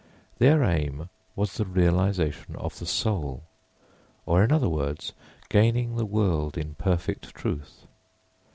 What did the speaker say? Their aim was the realisation of the soul, or, in other words, gaining the world in perfect truth.